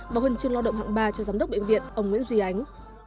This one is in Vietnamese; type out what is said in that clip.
và huân chương lao động hạng ba cho giám đốc bệnh viện ông nguyễn duy ánh